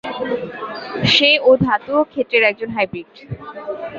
সে ও ধাতু এবং ক্ষেত্রের একজন হাইব্রীড।